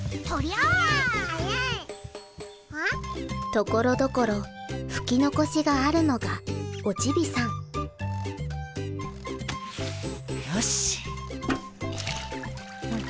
ところどころ拭き残しがあるのがオチビサンよしっ。